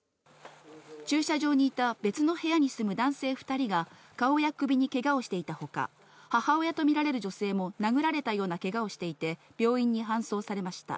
駐車場にいた別の部屋にいた男性２人が顔や首にけがをしていたほか、母親と見られる女性も殴られたようなけがをしていて、病院に搬送されました。